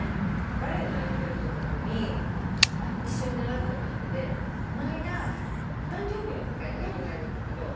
バレエ習ってるところに一緒に習ってる人でこの間お誕生日を迎えた人がいるんだけど。